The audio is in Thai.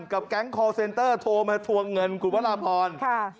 แก๊งคอร์เซนเตอร์โทรมาทวงเงินคุณวราพร